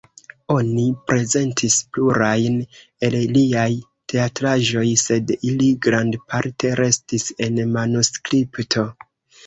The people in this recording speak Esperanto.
Oni prezentis plurajn el liaj teatraĵoj, sed ili grandparte restis en manuskripto.